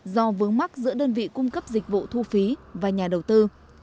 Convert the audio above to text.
do vướng mắt giữa đơn vị cung cấp dịch vụ thu phí và nhà đầu tư